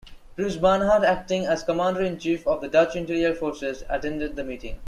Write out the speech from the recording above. Prince Bernhard, acting as commander-in-chief of the Dutch Interior Forces, attended the meeting.